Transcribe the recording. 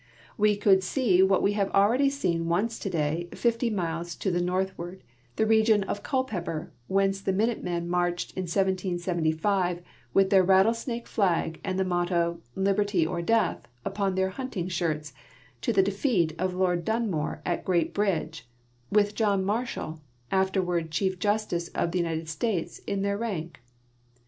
We could see what we have already seen once toda}'' fifty miles to the north ward, the region of Culpeper, whence the Minutemen marched in 1775 with their rattlesnake flag and the motto " Liberty or Death " upon their hunting shirts, to the defeat of Lord Dun more at Great bridge, with John Marshall, afterward Chief Justice of the United States, in their ranks.